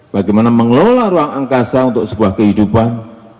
bagaimana mengelola ruang angkasa untuk sebuah kehidupan